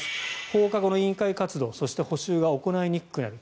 放課後の委員会活動そして補習が行いにくくなる。